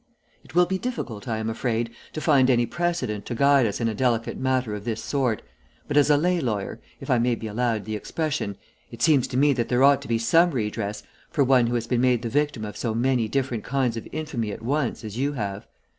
It will be difficult, I am afraid, to find any precedent to guide us in a delicate matter of this sort, but as a lay lawyer, if I may be allowed the expression, it seems to me that there ought to be some redress for one who has been made the victim of so many different kinds of infamy at once as you have.